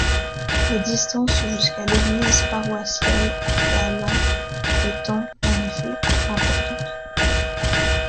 La distance jusqu'à l'église paroissiale d'Allenc étant, en effet, trop importante.